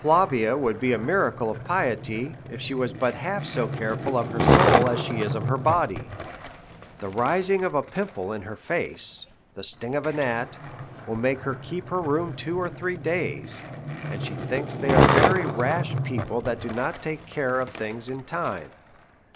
Plavia would be a miracle of piety, if she was but half so careful of her soul as she is of her body. The rising of a pimple in her face, the sting of a gnat, will make her keep her room for two or three days, and she thinks they are very rash people who do not take care of things in time.